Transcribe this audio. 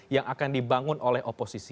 yang akan dibangun oleh oposisi